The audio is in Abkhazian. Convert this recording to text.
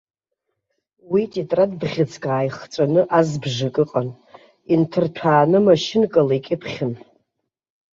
Уи тетрад бӷьыцк ааихҵәаны азбжак ыҟан, инҭырҭәааны машьынкала икьыԥхьын.